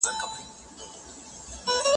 نړۍ تل د شرابو په سر ګرځي.